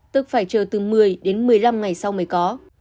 tức phải chờ từ một mươi đến một mươi năm ngày sau mới có